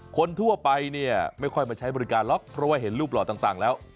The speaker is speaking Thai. คนทั่วไปไม่ค่อยมาใช้บริการเพราะว่าเห็นรูปเหลาะต่างแล้ว